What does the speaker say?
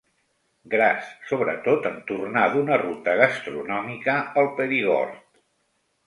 Gras, sobretot en tornar d'una ruta gastronòmica al Perigord.